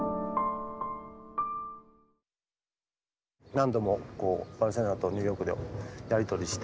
何度もバルセロナとニューヨークでやり取りして。